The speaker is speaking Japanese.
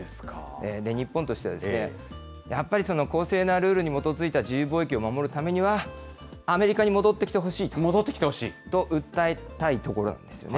日本としては、やっぱり公正なルールに基づいた自由貿易を守るためには、アメリ戻ってきてほしい。と訴えたいところなんですよね。